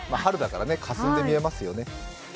春だからね、かすんで見えますよね